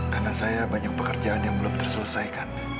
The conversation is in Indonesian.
karena saya banyak pekerjaan yang belum terselesaikan